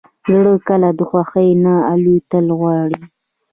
زړه کله د خوښۍ نه الوتل غواړي.